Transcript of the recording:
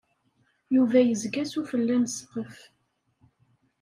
Yuba yezga s ufella n ssqef.